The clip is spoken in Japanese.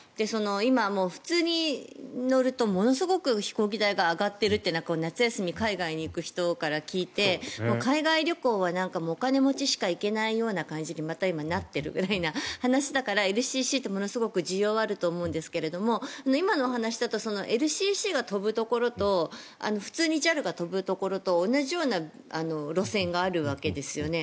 今、普通に乗るとものすごく飛行機代が上がっていると夏休み、海外に行く人から聞いて海外旅行はお金持ちしか行けないような感じにまた今なっているくらいな話だからＬＣＣってものすごく需要があると思うんですけど今のお話だとＬＣＣが飛ぶところと普通にＪＡＬが飛ぶところと同じような路線があるわけですよね。